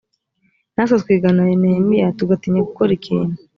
natwe twigana nehemiya tugatinya gukora ikintu